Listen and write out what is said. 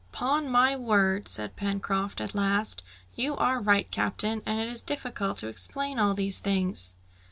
"'Pon my word," said Pencroft at last, "you are right, captain, and it is difficult to explain all these things!"